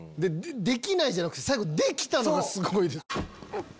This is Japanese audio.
できないじゃなくて最後できたのがすごい！